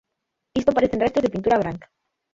Isto parecen restos de pintura branca